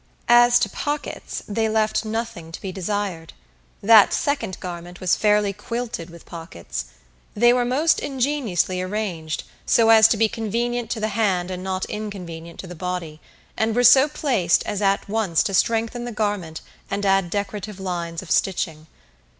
As to pockets, they left nothing to be desired. That second garment was fairly quilted with pockets. They were most ingeniously arranged, so as to be convenient to the hand and not inconvenient to the body, and were so placed as at once to strengthen the garment and add decorative lines of stitching.